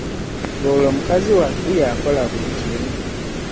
Ng'olwo mukazi wattu y'akola buli kimu.